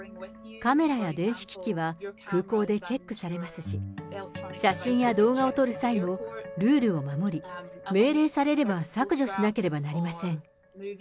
カメラや電子機器は空港でチェックされますし、写真や動画を撮る際も、ルールを守り、命令されれば削除しなければなりません。